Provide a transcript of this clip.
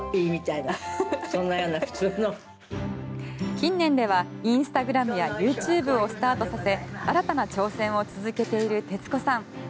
近年ではインスタグラムやＹｏｕＴｕｂｅをスタートさせ新たな挑戦を続けている徹子さん。